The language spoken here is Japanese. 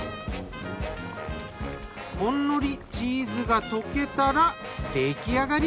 ほんのりチーズが溶けたら出来上がり。